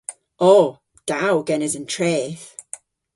O. Da o genes an treth!